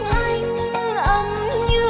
chẳng đủ gần